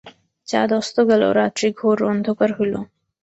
চাঁদ অস্ত গেল, রাত্রি ঘোর অন্ধকার হইল।